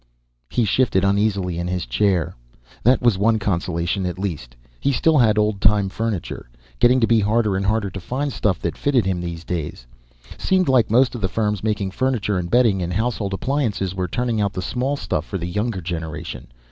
He shifted uneasily in his chair. That was one consolation, at least; he still had old time furniture. Getting to be harder and harder to find stuff that fitted him these days. Seemed like most of the firms making furniture and bedding and household appliances were turning out the small stuff for the younger generation.